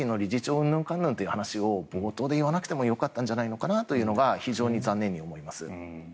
うんぬんかんぬんという話を冒頭で言わなくてもよかったんじゃないかなというのが非常に残念に思います。